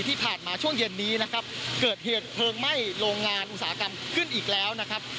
ที่ผ่านมาช่วงเย็นนี้นะครับเกิดเหตุเพลิงไหม้โรงงานอุตสาหกรรมขึ้นอีกแล้วนะครับ